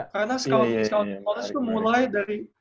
karena scout di college itu mulai dari